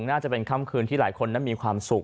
น่าจะเป็นค่ำคืนที่หลายคนนั้นมีความสุข